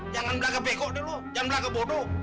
jangan berlagak bego deh lo jangan berlagak bodoh